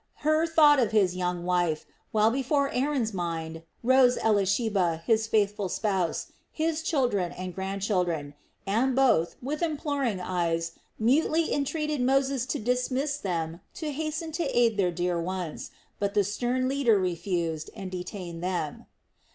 Hur thought of his young wife, while before Aaron's mind rose Elisheba, his faithful spouse, his children and grandchildren; and both, with imploring eyes, mutely entreated Moses to dismiss them to hasten to aid their dear ones; but the stern leader refused and detained them.